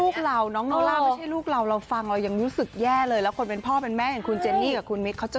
คุณเป็นพ่อเป็นแม่เขาหรอ